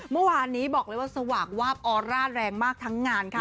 เมื่อวานนี้บอกเลยว่าสว่างวาบออร่าแรงมากทั้งงานค่ะ